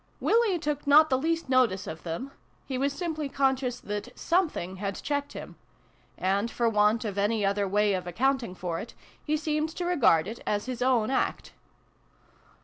' Willie ' took not the least notice of them : he was simply conscious that something had checked him : and, for want of any other way of accounting for it, he seemed to regard it as his own act.